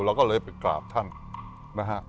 เราก็เลยไปกราบท่านนะฮะ